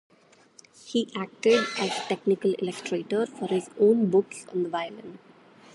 He acted as technical illustrator for his own books on the violin.